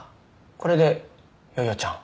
これで夜々ちゃん。